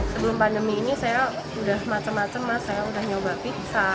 sebelum pandemi ini saya udah macam macam saya udah nyoba pizza